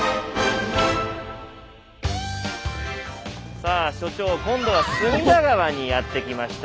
さあ所長今度は隅田川にやって来ました。